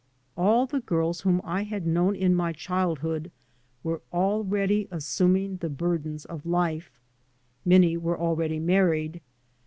All the girls whom I had known in my childhood were already assuming the burdens of life; many were already married.